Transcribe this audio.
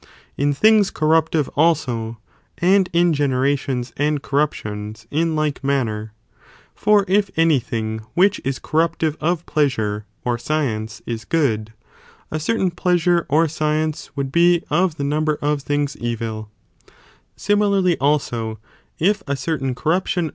In things corruptive also, and in generations and corruptions in like manner, for if any thing which is corruptive of pleasure or science is good, a certain pleasure or science would be of the number of things evil ; similarly also if a certain corruption 416 ARISTOTLE'S ORGANON: '[peox πη.